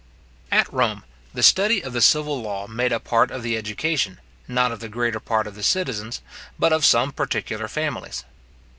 At Rome, the study of the civil law made a part of the education, not of the greater part of the citizens, but of some particular families.